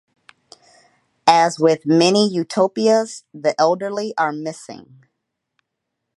As with many utopias, the elderly are missing.